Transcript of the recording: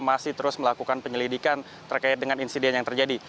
masih terus melakukan penyelidikan terkait dengan insiden yang terjadi